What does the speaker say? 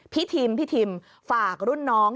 ทิมพี่ทิมฝากรุ่นน้อง